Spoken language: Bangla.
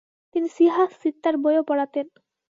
তিনি সিহাহ সিত্তার বইও পড়াতেন।